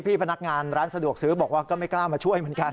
พนักงานร้านสะดวกซื้อบอกว่าก็ไม่กล้ามาช่วยเหมือนกัน